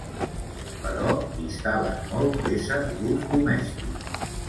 Però distaven molt d'ésser d'ús domèstic.